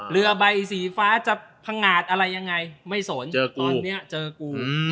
เรือใบสีฟ้าจะพังงาดอะไรยังไงไม่สนตอนนี้เจอกู